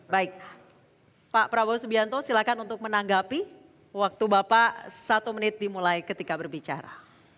baik pak prabowo subianto silakan untuk menanggapi waktu bapak satu menit dimulai ketika berbicara